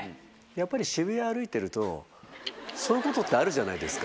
やっぱり渋谷歩いてるとそういうことってあるじゃないですか。